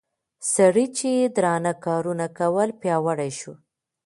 سړي چې درانه کارونه کول پياوړى شو